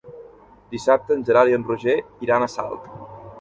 Dissabte en Gerard i en Roger iran a Salt.